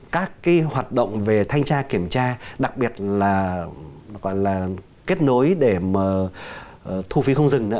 các hoạt động về thanh tra kiểm tra đặc biệt là kết nối để thu phí không dừng